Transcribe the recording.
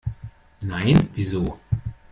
Nein, wieso?